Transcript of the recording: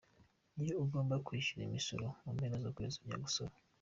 Iyo ugomba kwishyura imisoro mu mpera z’ukwezi ,ujya gusora.